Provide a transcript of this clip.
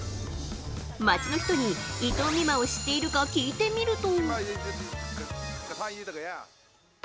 街の人に伊藤美誠を知っているか聞いてみると。